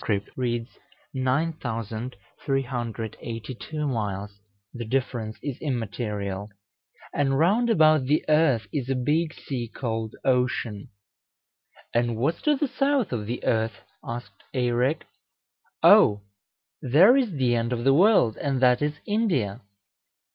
reads 9382 miles the difference is immaterial); and round about the earth is a big sea called Ocean." "And what's to the south of the earth?" asked Eirek. "O! there is the end of the world, and that is India."